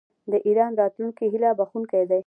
د ایران راتلونکی هیله بښونکی دی.